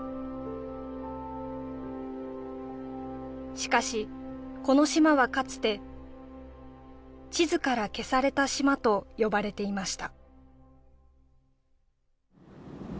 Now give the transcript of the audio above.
しかしこの島はかつて地図から消された島と呼ばれていました